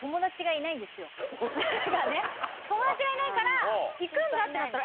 友達がいないから行くんだってなったら。